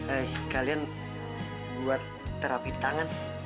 eh sekalian buat terapi tangan